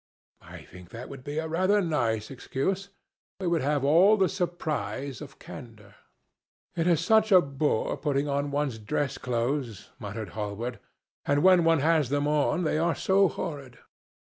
I think that would be a rather nice excuse: it would have all the surprise of candour." "It is such a bore putting on one's dress clothes," muttered Hallward. "And, when one has them on, they are so horrid."